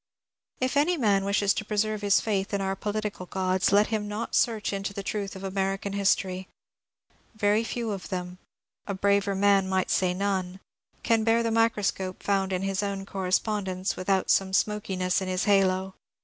If any man wishes to preserve his faith in our political gods, let him not search into the truth of American history. Very few of them — a braver man might say none — can bear the microscope foimd iu his own correspondence without some THE RANDOLPH FAUCHET CASE 425 amokiness in his halo.